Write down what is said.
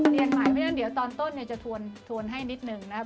เรียนใหม่ไปแล้วเดี๋ยวตอนต้นจะทวนให้นิดนึงนะครับ